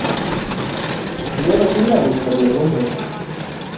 Ворагі лягуць пад яго ногі.